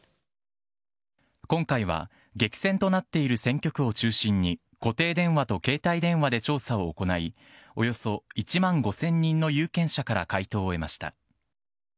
今回は激戦となっている選挙区を中心に、固定電話と携帯電話で調査を行い、およそ１万５０００人の有権者から回答を得ました。